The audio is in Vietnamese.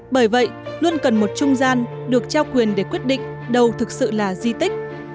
bởi vậy luôn cần một trung gian được trao quyền để quyết định đâu thực sự là di tích